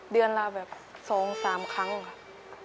เดือนละแบบสองสามครั้งค่ะ